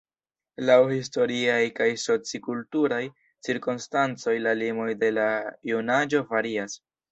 Laŭ historiaj kaj soci-kulturaj cirkonstancoj la limoj de la junaĝo varias.